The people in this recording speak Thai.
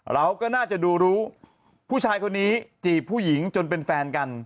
เราก็น่าจะดูรู้ผู้ชายคนนี้จีบผู้หญิงจนเป็นแฟนกัน